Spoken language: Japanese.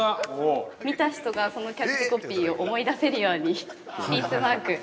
見た人が、そのキャッチコピーを思い出せるようにピースマーク。